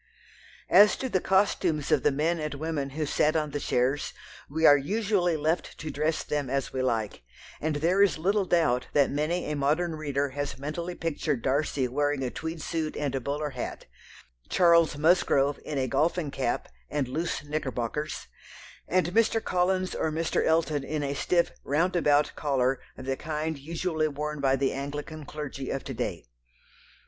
As to the costumes of the men and women who sat on the chairs, we are usually left to dress them as we like, and there is little doubt that many a modern reader has mentally pictured Darcy wearing a tweed suit and a bowler hat, Charles Musgrove in a golfing cap and loose knickerbockers, and Mr. Collins or Mr. Elton in a stiff "round about" collar of the kind usually worn by the Anglican clergy of to day.